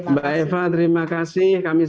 mbak eva terima kasih kami